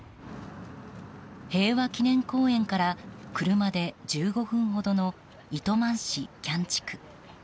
平和祈念公園から車で１５分ほどの糸満市喜屋武地区。